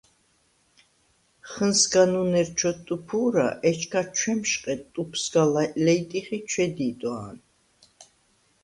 ხჷნსგანუნ ერ ჩოთტუფუ̄რა, ეჩქა ჩვემშყედ, ტუფ სგა ლეჲტიხ ი ჩვედი̄ტვა̄ნ.